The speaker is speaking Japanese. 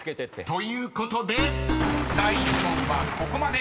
［ということで第１問はここまで。